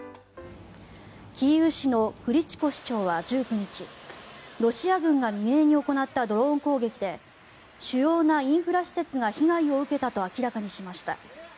キーウ市のクリチコ市長は１９日ロシア軍が未明に行ったドローン攻撃で主要なインフラ施設が被害を受けたと明らかにしました。